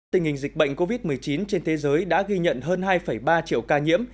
tình hình dịch bệnh covid một mươi chín trên thế giới đã ghi nhận hơn hai ba triệu ca nhiễm